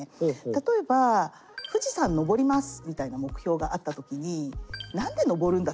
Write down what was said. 例えば富士山登りますみたいな目標があった時に何で登るんだっけって？